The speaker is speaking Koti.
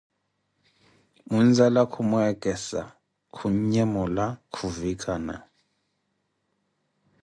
Muinzala khumwekesa, khun'nhemuka khunvikana